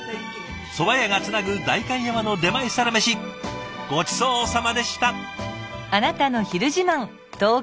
そば屋がつなぐ代官山の出前サラメシごちそうさまでした。